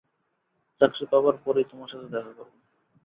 চাকরি পাবার পরই তোমার সাথে দেখা করব।